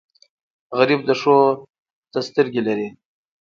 غریب د ښو ته سترګې لري